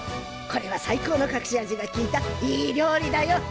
これは最高のかくし味がきいたいい料理だよ。